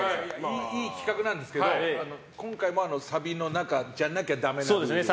いい企画なんですけど今回もサビじゃなきゃダメなんですよね。